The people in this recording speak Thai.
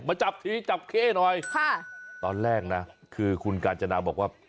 จับทีจับเข้หน่อยค่ะตอนแรกนะคือคุณกาญจนาบอกว่า